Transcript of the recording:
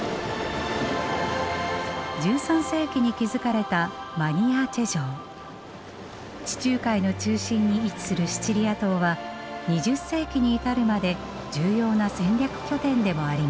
１３世紀に築かれた地中海の中心に位置するシチリア島は２０世紀に至るまで重要な戦略拠点でもありました。